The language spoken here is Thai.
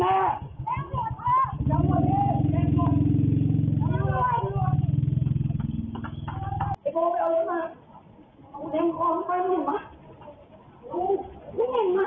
ไอ้โบ๊ะไปเอารถมา